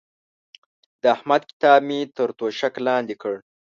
د احمد کتاب مې تر توشک لاندې کړ.